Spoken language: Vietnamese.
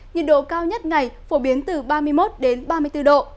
nhiệt độ cao nhất ngày phổ biến từ ba mươi một ba mươi bốn độ